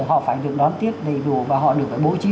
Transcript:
họ phải được đón tiếp đầy đủ và họ được bố trí